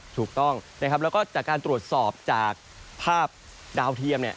ถูกต้องนะครับแล้วก็จากการตรวจสอบจากภาพดาวเทียมเนี่ย